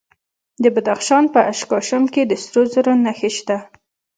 د بدخشان په اشکاشم کې د سرو زرو نښې شته.